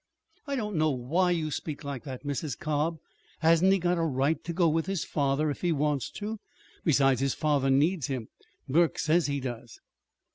"I don't know why you speak like that, Mrs. Cobb. Hasn't he got a right to go with his father, if he wants to? Besides, his father needs him. Burke says he does."